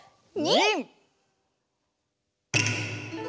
ニン！